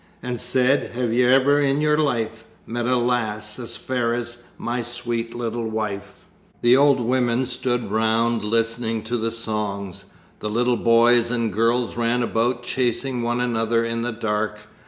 And said, "Have you ever in all your life, Met a lass as fair as my sweet little wife?"' The old women stood round listening to the songs. The little boys and girls ran about chasing one another in the dark.